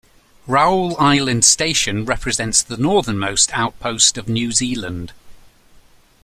Raoul Island Station represents the northernmost outpost of New Zealand.